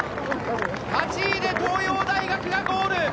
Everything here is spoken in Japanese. ８位で東洋大学がゴール！